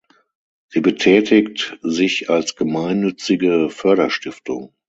Sie betätigt sich als gemeinnützige Förderstiftung.